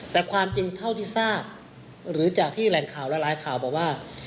แต่ความจริงเท่าที่ทราบหรือจากที่แหล่งข่าวหลายข่าวบอกว่า